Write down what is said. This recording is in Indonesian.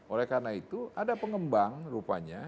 oleh karena itu ada pengembang rupanya